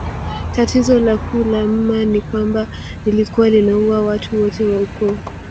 Tatizo la kuu la mma ni kwamba lilikuwa linaua watu wote wa ukoo